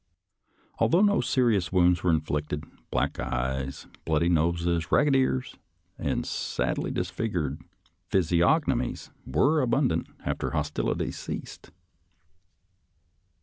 Although no serious wounds were inflicted, black eyes, bloody noses, ragged ears, and sadly disfigured phys iognomies were abundant after hostilities ceased.